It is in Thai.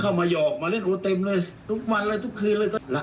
เขามายอกมาเล่นโอเติมเลยทุกวันตุ๊กทุกคืนเลย